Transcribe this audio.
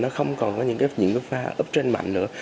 nó không còn có những pha uptrend mạnh nữa